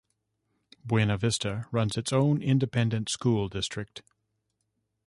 Buena Vista runs its own independent school district.